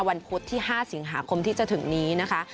พุธที่๕สิงหาคมที่จะถึงนี้นะคะ